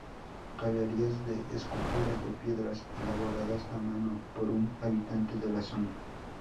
Galerías de esculturas de piedras, elaboradas a mano por un habitante de la zona.